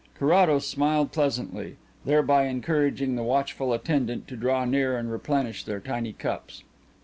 Carrados smiled pleasantly, thereby encouraging the watchful attendant to draw near and replenish their tiny cups.